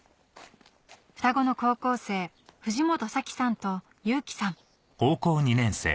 双子の高校生藤本彩希さんと悠希さん